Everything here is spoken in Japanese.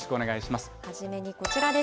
初めにこちらです。